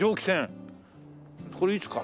これいつから？